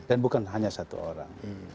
dan bukan hanya satu orang